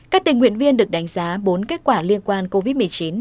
các tình nguyện viên được đánh giá bốn kết quả liên quan covid một mươi chín